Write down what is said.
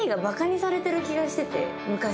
昔。